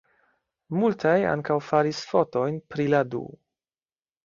Multaj ankaŭ faris fotojn pri la du.